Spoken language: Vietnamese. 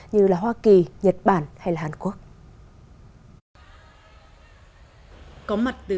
như hoa kỳ nhật bản hay hàn quốc